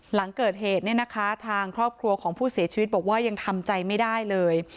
หลังเกิดเหตุเนี่ยนะคะทางครอบครัวของผู้เสียชีวิตบอกว่ายังทำใจไม่ได้เลย